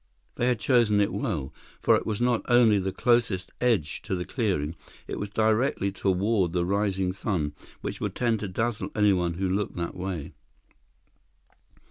They had chosen it well, for it was not only the closest edge of the clearing; it was directly toward the rising sun, which would tend to dazzle anyone who looked that way.